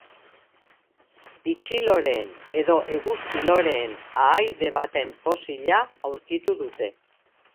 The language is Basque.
Bitxiloreen edo eguzki loreen ahaide baten fosila aurkitu dute.